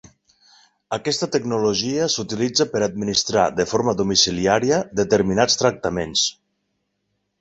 Aquesta tecnologia s'utilitza per administrar de forma domiciliària determinats tractaments.